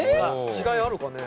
違いあるかね。